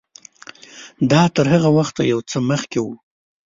دا تر هغه وخته یو څه مخکې و.